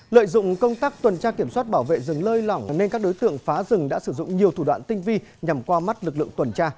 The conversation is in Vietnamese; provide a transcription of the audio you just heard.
lợi dụng công tác tuần tra kiểm soát bảo vệ rừng lơi lỏng nên các đối tượng phá rừng đã sử dụng nhiều thủ đoạn tinh vi nhằm qua mắt lực lượng tuần tra